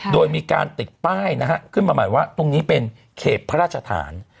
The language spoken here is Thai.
โดยมีการติดป้ายนะฮะขึ้นมาใหม่ว่าตรงนี้เป็นเขตพระราชฐาน